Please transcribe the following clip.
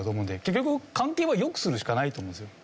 結局関係は良くするしかないと思うんですよ。